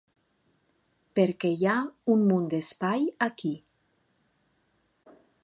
Per què hi ha un munt d'espai aquí.